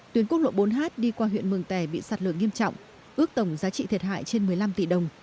tuyến quốc lộ bốn h đi qua huyện mường tè bị sạt lở nghiêm trọng ước tổng giá trị thiệt hại trên một mươi năm tỷ đồng